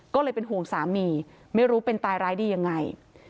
ก็เลยเป็นห่วงสามีไม่รู้เป็นตายร้ายดียังไง